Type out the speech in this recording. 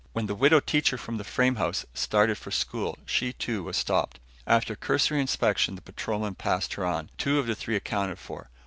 When the widow teacher from the frame house, started for school, she too, was stopped. After a cursory inspection the patrolman passed her on. Two of the three accounted for.